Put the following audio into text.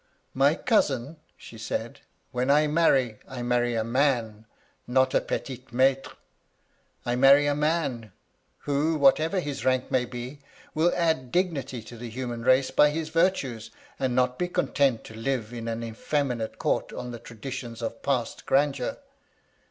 * My cousin,' she said, ' when I marry, I marry a man, not a petit maitre. I marry a man who, whatever his rank may be, will add dignity to the human race by his virtues, and not be content to live in an effeminate court on the traditions of past grandeur.'